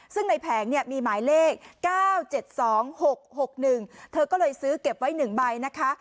ซึ่งในแผงเนี่ยมีหมายเลข๙๗๒๖๖๑เธอก็เลยซื้อเก็บไว้๑ใบนะคะ